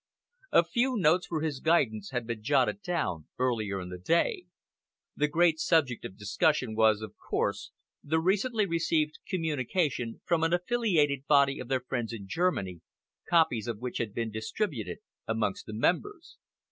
A few notes for his guidance had been jotted down earlier in the day. The great subject of discussion was, of course, the recently received communication from an affiliated body of their friends in Germany, copies of which had been distributed amongst the members.